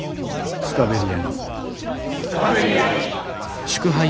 スカベリアに。